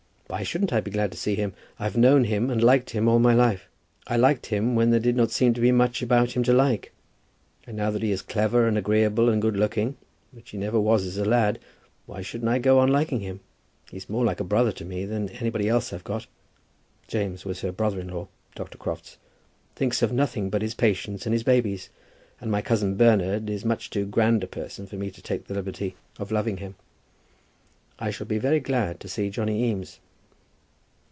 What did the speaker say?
Why shouldn't I be glad to see him? I've known him and liked him all my life. I liked him when there did not seem to be much about him to like, and now that he is clever, and agreeable, and good looking, which he never was as a lad, why shouldn't I go on liking him? He's more like a brother to me than anybody else I've got. James," James was her brother in law, Dr. Crofts, "thinks of nothing but his patients and his babies, and my cousin Bernard is much too grand a person for me to take the liberty of loving him. I shall be very glad to see Johnny Eames."